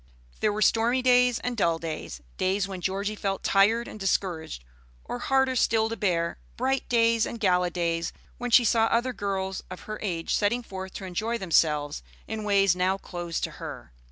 There were stormy days and dull days, days when Georgie felt tired and discouraged; or, harder still to bear, bright days and gala days, when she saw other girls of her age setting forth to enjoy themselves in ways now closed to her.